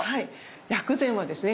薬膳はですね